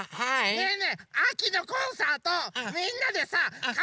ねえねえあきのコンサートみんなでさかんぱいしようよ！